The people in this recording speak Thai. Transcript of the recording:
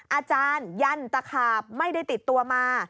อาจารยันตะขาบไม่ได้ติดตัวมา